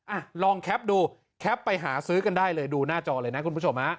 อ่ะลองแคปดูแคปไปหาซื้อกันได้เลยดูหน้าจอเลยนะคุณผู้ชมฮะ